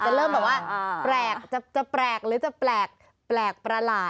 เริ่มแบบว่าแปลกจะแปลกหรือจะแปลกประหลาด